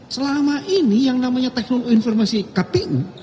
selama ini yang namanya teknologi informasi kpu